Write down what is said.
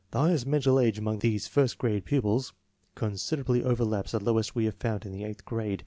The highest mental age among these first grade pupils considerably overlaps the lowest we have found in the eighth grade.